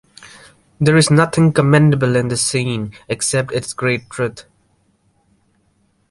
There is nothing commendable in this scene except its great truth.